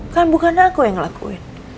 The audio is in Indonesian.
kan bukan aku yang ngelakuin